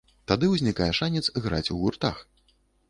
Тады ўзнікае шанец граць у гуртах.